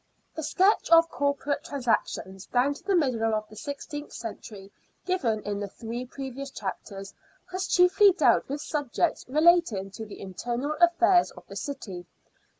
The sketch of corporate transactions down to the middle of the sixteenth century, given in the three previous chapters, has chiefly dealt with subjects relating to the internal affairs of the city.